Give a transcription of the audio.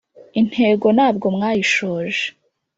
intego ntabwo mwayishoje